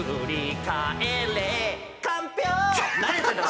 何やってんだ？